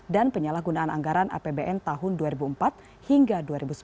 dan penyalahgunaan anggaran apbn tahun dua ribu empat hingga dua ribu sebelas